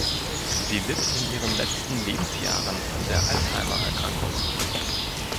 Sie litt in ihren letzten Lebensjahren an der Alzheimer-Erkrankung.